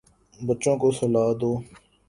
بچوں کو سلا دو